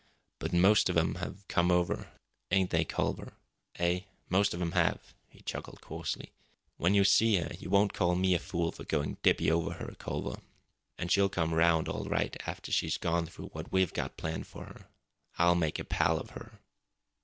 But most of 'em have come over, ain't they, Culver? Eh? Most of 'em have," he chuckled coarsely. "When you see her you won't call me a fool for going dippy over her, Culver. And she'll come round all right after she's gone through what we've got planned for her. I'll make a pal of her!"